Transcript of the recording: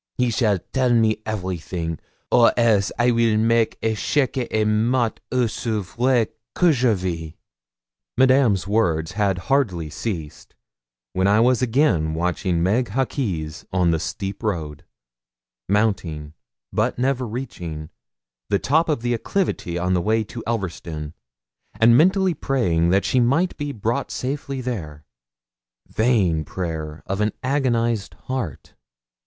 He shall tell me everything, or else I weel make echec et mat aussi vrai que je vis.' Madame's words had hardly ceased, when I was again watching Meg Hawkes on the steep road, mounting, but never reaching, the top of the acclivity, on the way to Elverston, and mentally praying that she might be brought safely there. Vain prayer of an agonised heart!